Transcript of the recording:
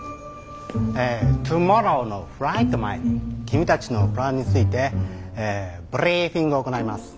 トゥモローのフライト前に君たちのプランについてブリーフィングを行います。